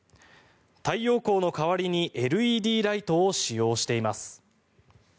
太陽光の代わりにＬＥＤライトを使用しています。